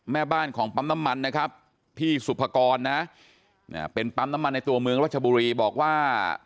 แม่บ้านของปั๊มน้ำมันนะครับพี่สุภกรนะเป็นปั๊มน้ำมันในตัวเมืองรัชบุรีบอกว่า